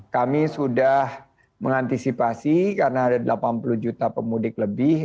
kami sudah mengantisipasi karena ada delapan puluh juta pemudik lebih